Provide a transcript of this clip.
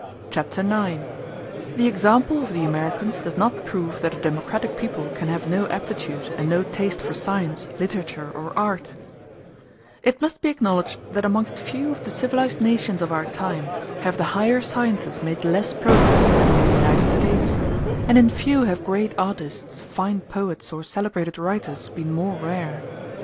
Chapter IX: The Example Of The Americans Does Not Prove That A Democratic People Can Have No Aptitude And No Taste For Science, Literature, Or Art It must be acknowledged that amongst few of the civilized nations of our time have the higher sciences made less progress than in the United States; and in few have great artists, fine poets, or celebrated writers been more rare.